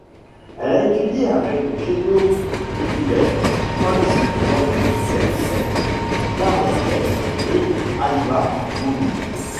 Elle a étudié avec Jenő Hubay, Franz von Vecsey, Carl Flesch et Alma Moodie.